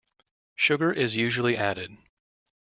Sugar is usually added.